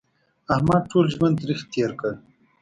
احمد ټول ژوند تریخ تېر کړ